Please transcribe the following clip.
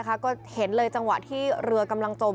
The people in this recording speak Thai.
ก็เห็นเลยจังหวะที่เรือกำลังจม